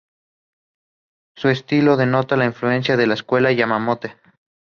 Su estilo denota la influencia de la escuela Yamato-e.